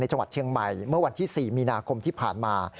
จังหวัดเชียงใหม่เมื่อวันที่๔มีนาคมที่ผ่านมา